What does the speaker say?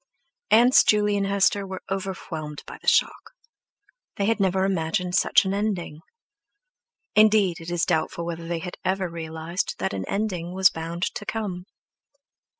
Aunts Juley and Hester were overwhelmed by the shock. They had never imagined such an ending. Indeed, it is doubtful whether they had ever realized that an ending was bound to come.